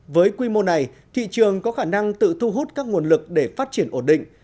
với quy mô này thị trường có khả năng tự thu hút các nguồn lực để phát triển ổn định